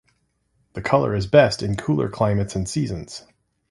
The color is best in cooler climates and seasons.